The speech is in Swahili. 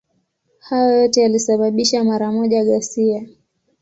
Hayo yote yalisababisha mara moja ghasia.